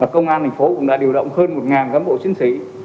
công an tp hcm cũng đã điều động hơn một cán bộ xuyên sĩ